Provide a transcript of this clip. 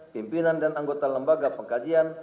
pimpinan dan anggota lembaga pengkajian